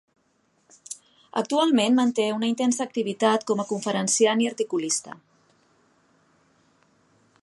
Actualment manté una intensa activitat com a conferenciant i articulista.